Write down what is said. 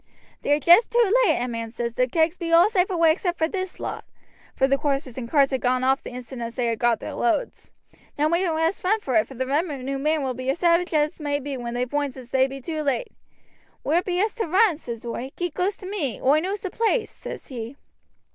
"'They're just too late,' a man says; 'the kegs be all safe away except this lot,' for the horses and carts had gone off the instant as they got their loads. 'Now we must run for it, for the revenue men will be as savage as may be when they voinds as they be too late.' 'Where be us to run?' says oi. 'Keep close to me, oi knows the place,' says he.